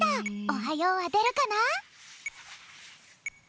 「おはよう」はでるかな？